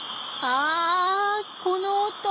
あこの音！